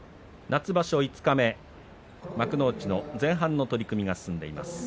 夏場所五日目幕内の前半の取組が進んでいます。